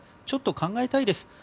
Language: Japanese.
ちょっと考えたいです。